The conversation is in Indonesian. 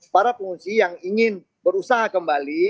para pengungsi yang ingin berusaha kembali